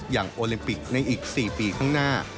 โอลิมปิกในอีก๔ปีข้างหน้า